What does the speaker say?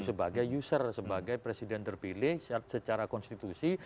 sebagai user sebagai presiden terpilih secara konstitusi